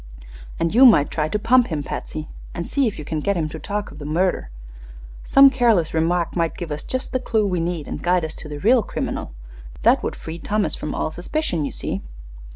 "And you might try to pump him, Patsy, and see if you can get him to talk of the murder. Some careless remark might give us just the clue we need and guide us to the real criminal. That would free Thomas from all suspicion, you see."